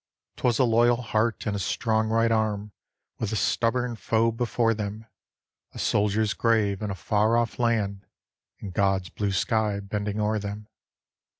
'Twas a loyal heart, and a strong right arm, With a stubborn foe before them; A soldier's grave in a far off land, And God's blue sky bending o'er them.